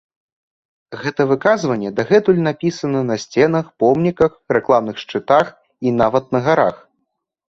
Гэта выказванне дагэтуль напісана на сценах, помніках, рэкламных шчытах і нават на гарах.